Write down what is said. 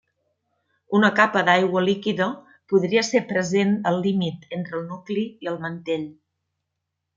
Una capa d'aigua líquida podria ser present al límit entre el nucli i el mantell.